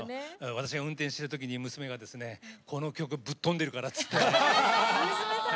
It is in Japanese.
私が運転しているときに娘がこの曲ぶっ飛んでるからって。